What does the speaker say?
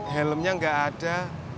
helmnya gak ada